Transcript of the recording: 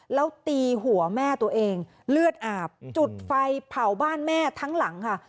แล้วตีหัวแม่ตัวเองเลือดอาบจุดไฟเผาบ้านแม่ทั้งหลังค่ะ